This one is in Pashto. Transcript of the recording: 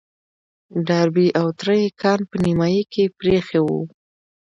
ډاربي او تره يې کان په نيمايي کې پرېيښی و.